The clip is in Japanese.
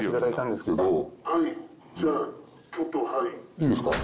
いいですか？